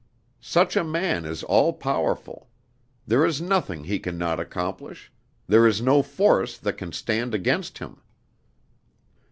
Such a man is all powerful; there is nothing he can not accomplish; there is no force that can stand against him_."